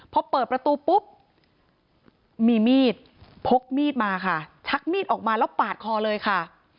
พอเปิดประตูปุ๊บมีมีดพกมีดมาค่ะชักมีดออกมาแล้วปาดคอเลยค่ะ